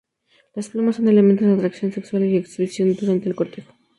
Las plumas son elementos de atracción sexual y exhibición durante el cortejo.